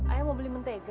ayah mau beli mentega